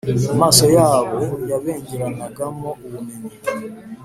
amaso yabo yabengeranagamo ubumenyi